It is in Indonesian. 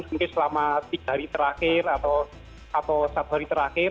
mungkin selama tiga hari terakhir atau satu hari terakhir